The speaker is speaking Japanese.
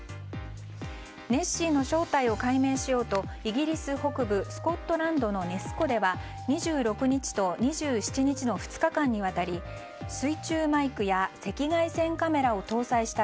ネッシーの正体を解明しようとイギリス北部スコットランドのネス湖では２６日と２７日の２日間にわたり水中マイクや赤外線カメラを搭載した